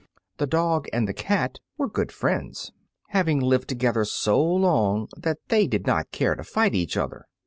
The dog and the cat were good friends, having lived together so long that they did not care to fight each other.